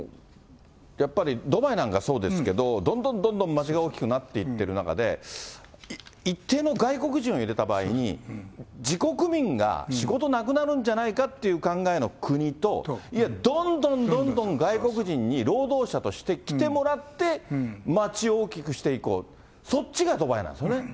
やっぱり、ドバイなんかそうですけど、どんどんどんどん街が大きくなっている中で、一定の外国人を入れた場合に、自国民が仕事なくなるんじゃないかっていう国と、いや、どんどんどんどん外国人に労働者として来てもらって、街を大きくしていこう、そっちがドバイなんですよね。